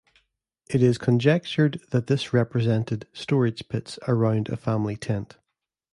It is conjectured that this represented storage pits around a family tent.